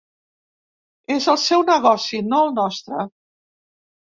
És el seu negoci, no el nostre.